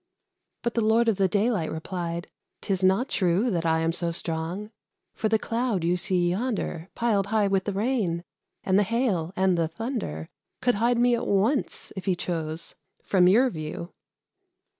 But the Lord of the Daylight replied, "'Tis not true That I am so strong; for the Cloud you see yonder, Piled high with the rain, and the hail, and the thunder, Could hide me at once, if he chose, from your view."